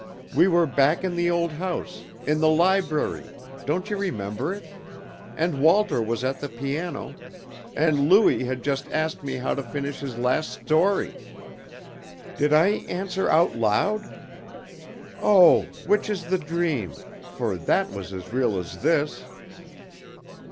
We were back in the old house, in the library, don't you remember it? and Walter was at the piano, and Louis had just asked me how to finish his last story. Did I answer out loud? Oh, which is the dream, for that was as real as this!"